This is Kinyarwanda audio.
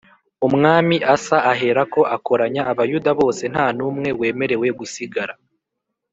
Umwami Asa aherako akoranya Abayuda bose nta n’umwe wemerewe gusigara